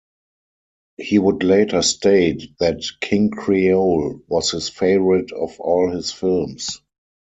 He would later state that "King Creole" was his favorite of all his films.